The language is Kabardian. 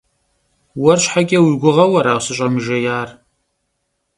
Vuer şheç'e vui guğeu ara sış'emıjjêyar?